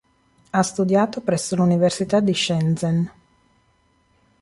Ha studiato presso l'Università di Shenzhen..